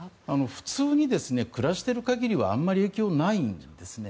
普通に暮らしている限りはあまり影響はないんですね。